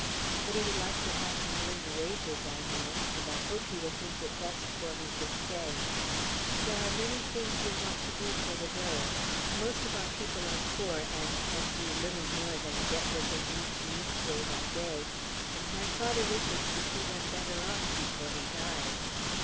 But he would like to have me earn the wages, I know, and I hope he will think it best for me to stay. There are many things we want to do for the village; most of our people are poor, and can do little more than get what they need to eat day by day, and my father wishes to see them better off before he dies.